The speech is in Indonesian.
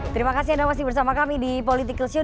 terima kasih anda masih bersama kami di political show